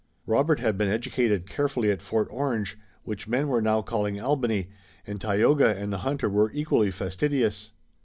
Robert had been educated carefully at Fort Orange, which men were now calling Albany, and Tayoga and the hunter were equally fastidious.